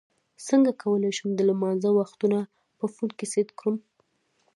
څنګه کولی شم د لمانځه وختونه په فون کې سیټ کړم